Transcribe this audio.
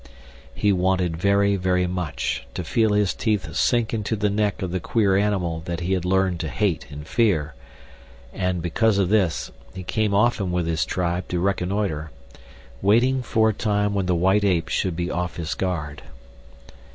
He wanted, very, very much, to feel his teeth sink into the neck of the queer animal that he had learned to hate and fear, and because of this, he came often with his tribe to reconnoiter, waiting for a time when the white ape should be off his guard.